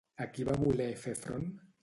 A qui va voler fer front?